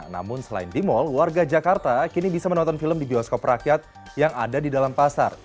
namun selain di mal warga jakarta kini bisa menonton film di bioskop rakyat yang ada di dalam pasar